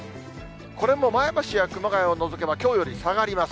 これも前橋や熊谷を除けばきょうより下がります。